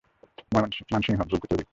মানসিংহ, ভুল তো তোরই।